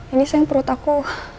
ini sayang perut aku